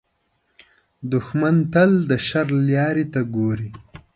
دښمن تل د شر لارې ته ګوري